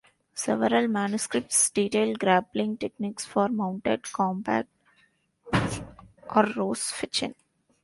Several manuscripts detail grappling techniques for mounted combat or "rossfechten".